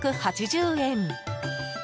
９８０円。